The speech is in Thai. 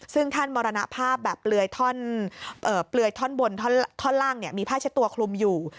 ซึ่งท่านมรณภาพแบบเปลือยท่อนบนท่อนล่างมีผ้าเช็ดตัวคลุมอยู่